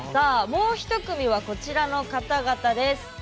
もう一組はこちらの方々です。